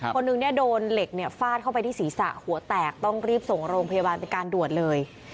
คนหนึ่งเนี่ยโดนเหล็กเนี่ยฟาดเข้าไปที่ศีรษะหัวแตกต้องรีบส่งโรงพยาบาลเป็นการด่วนเลย